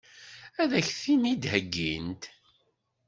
Ad k-ten-id-heggint?